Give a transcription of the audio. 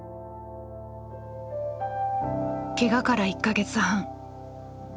ケガから１か月半。